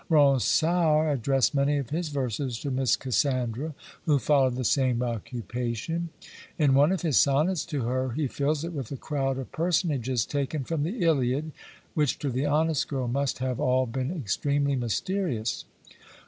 Ronsard addressed many of his verses to Miss Cassandra, who followed the same occupation: in one of his sonnets to her, he fills it with a crowd of personages taken from the Iliad, which to the honest girl must have all been extremely mysterious.